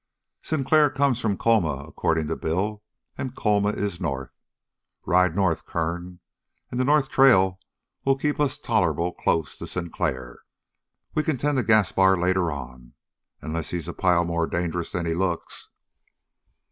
"Sinclair comes from Colma, according to Bill, and Colma is north. Ride north, Kern, and the north trail will keep us tolerable close to Sinclair. We can tend to Gaspar later on unless he's a pile more dangerous'n he looks."